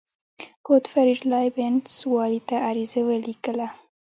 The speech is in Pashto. غوتفریډ لایبینټس والي ته عریضه ولیکله.